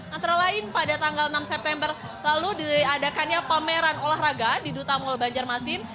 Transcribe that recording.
antara lain pada tanggal enam september lalu diadakannya pameran olahraga di duta mall banjarmasin